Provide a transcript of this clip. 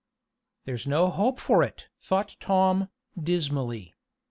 "There's no hope for it!" thought Tom, dismally.